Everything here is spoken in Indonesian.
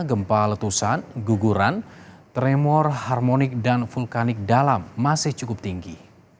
gempa letusan guguran tremor harmonik dan vulkanik dalam masih cukup tinggi